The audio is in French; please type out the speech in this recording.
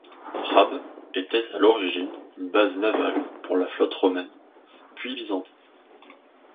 Rab était à l'origine une base navale pour la flotte romaine, puis byzantine.